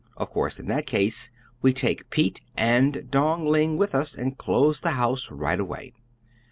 Of course, in that case, we take Pete and Dong Ling with us and close the house right away.